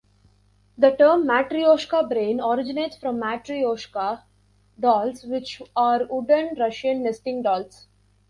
The term "matrioshka brain" originates from matryoshka dolls, which are wooden Russian nesting dolls.